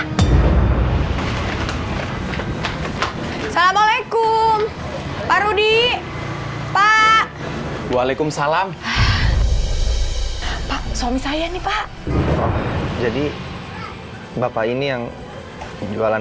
assalamualaikum pak rudi pak waalaikumsalam pak suami saya nih pak jadi bapak ini yang jualan